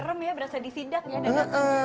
serem ya berasa disidak ya dadakan